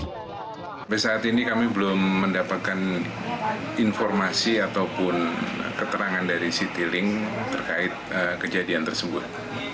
sampai saat ini kami belum mendapatkan informasi ataupun keterangan dari citylink terkait kejadian tersebut